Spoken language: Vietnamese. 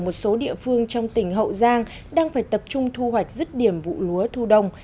một số địa phương trong tỉnh hậu giang đang phải tập trung thu hoạch rứt điểm vụ lúa thu đông